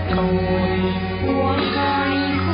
ทรงเป็นน้ำของเรา